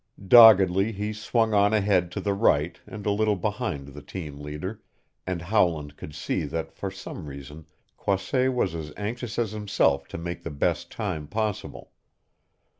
Doggedly he swung on ahead to the right and a little behind the team leader, and Howland could see that for some reason Croisset was as anxious as himself to make the best time possible.